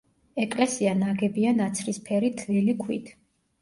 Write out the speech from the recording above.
ეკლესია ნაგებია ნაცრისფერი თლილი ქვით.